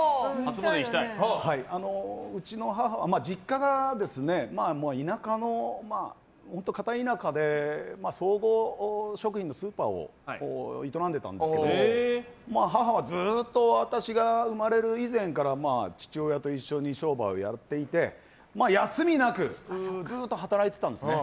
うちの実家は本当に片田舎で総合食品のスーパーを営んでいたんですけども母はずっと私が生まれる以前から父親と一緒に商売をやっていて休みなくずっと働いていたんですね。